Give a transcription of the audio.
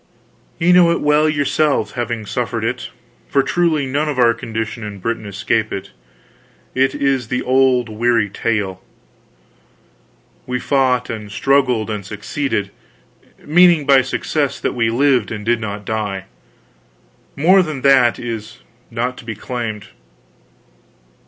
"Ye know it well yourselves, having suffered it for truly none of our condition in Britain escape it. It is the old, weary tale. We fought and struggled and succeeded; meaning by success, that we lived and did not die; more than that is not to be claimed.